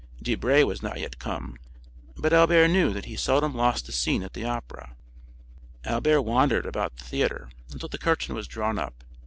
Debray was not yet come, but Albert knew that he seldom lost a scene at the Opera. Albert wandered about the theatre until the curtain was drawn up.